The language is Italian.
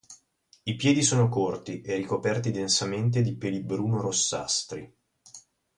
I piedi sono corti e ricoperti densamente di peli bruno-rossastri.